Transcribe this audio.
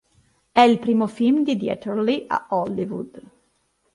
È il primo film di Dieterle a Hollywood.